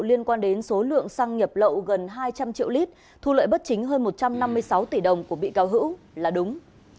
liên quan đến số lượng xăng nhập lậu gần hai trăm linh triệu lít thu lợi bất chính hơn một trăm năm mươi sáu tỷ đồng của bị cáo hữu là đúng